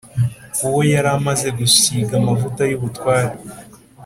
uwo yari amaze gusiga amavuta y’ubutware,